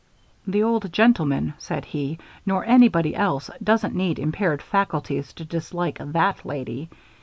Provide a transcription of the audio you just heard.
"The old gentleman," said he, "nor anybody else doesn't need impaired faculties to dislike that lady.